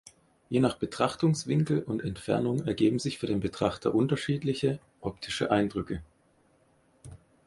Je nach Betrachtungswinkel und Entfernung ergeben sich für den Betrachter unterschiedliche optische Eindrücke.